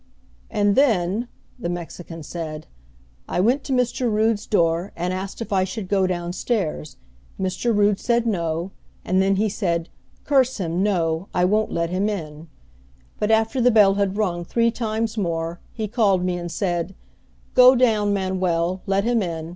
"And then," the Mexican said, "I went to Mr. Rood's door and asked if I should go down stairs. Mr. Rood said, 'No,' and then he said, 'Curse him, no, I won't let him in.' But after the bell had rung three times more, he called me and said, 'Go down, Manuel, let him in.